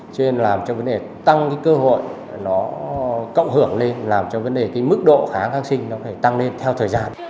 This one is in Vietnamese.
cho nên làm cho vấn đề tăng cơ hội nó cộng hưởng lên làm cho vấn đề mức độ kháng sinh tăng lên theo thời gian